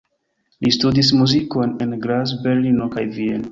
Li studis muzikon en Graz, Berlino kaj Vieno.